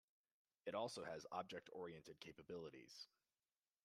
It also has object-oriented capabilities.